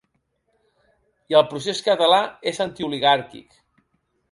I el procés català és antioligàrquic.